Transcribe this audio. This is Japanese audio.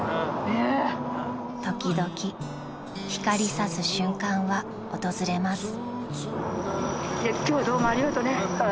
［時々光差す瞬間は訪れます］